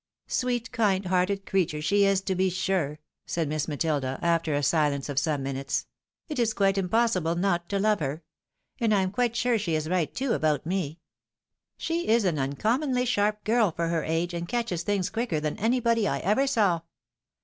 " Sweet, kind hearted creature she is, to be sure !" said Miss Matilda, after a silence of some minutes ; "it is quite impos sible not to love her! — and I am quite sure she is right too, about me. She is an uncommonly sharp girl, for her age, and catches things quicker than anybody I ever saw.